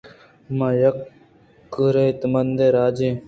ما یک گیرتمندین راجے ایں